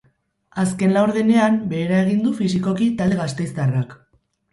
Azken laurdenean behera egin du fisikoki talde gasteiztarrak.